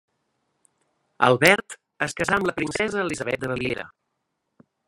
Albert es casà amb la princesa Elisabet de Baviera.